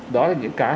đó là những cái